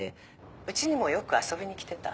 うちにもよく遊びに来てた。